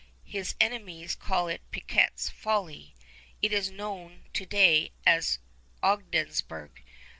His enemies call it "Picquet's Folly." It is known to day as Ogdensburg.